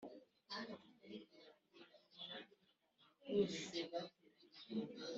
icyongereza cyinshi impunzi nyinshi zikora iyi mirimo